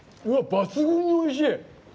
抜群においしい。